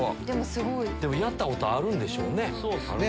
やったことあるんでしょうね。